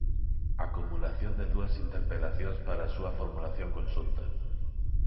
Acumulación de dúas interpelacións para a súa formulación conxunta.